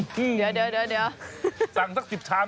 พี่เดี๋ยวสั่งสัก๑๐ชาม